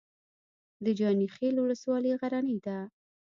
د جاني خیل ولسوالۍ غرنۍ ده